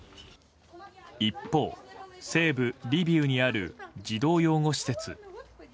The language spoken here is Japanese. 一方、西部リビウにある児童養護施設。